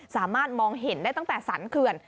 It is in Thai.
สามารถมองเห็นได้ตั้งแต่สรรเขื่อน